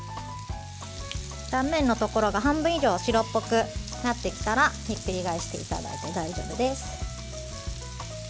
断面のところが半分以上白っぽくなってきたらひっくり返していただいて大丈夫です。